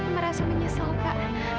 merasa menyesal kak